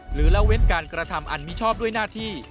หรือละเว้นการกรธรรมอันมิชอบด้วยหน้าที่